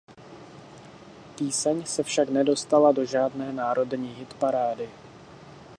Píseň se však nedostala do žádné národní hitparády.